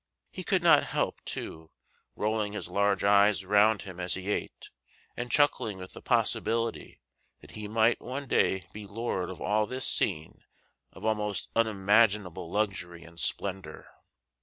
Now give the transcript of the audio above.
He could not help, too, rolling his large eyes round him as he ate, and chuckling with the possibility that he might one day be lord of all this scene of almost unimaginable luxury and splendor.